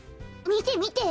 みてみて。